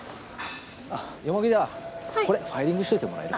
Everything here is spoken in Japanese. あっ田これファイリングしといてもらえる？